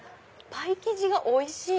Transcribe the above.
パイ生地がおいしい！